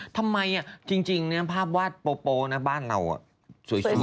ทำไมอะจริงเนี่ยภาพวาดโปรนะบ้านเราอะสวยถึงเยอะ